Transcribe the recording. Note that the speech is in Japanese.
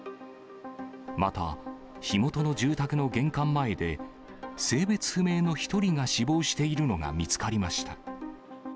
また、火元の住宅の玄関前で、性別不明の１人が死亡しているのが見つかりました。